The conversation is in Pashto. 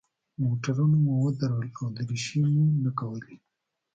موټرونه مو ودرول او دریشۍ مو نه کولې.